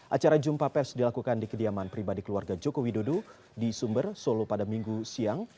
acara jumpa pers dilakukan di kediaman pribadi keluarga joko widodo di sumber solo pada minggu siang